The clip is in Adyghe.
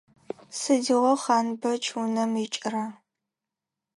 Сыдигъо Хъанбэч унэм икӏыра?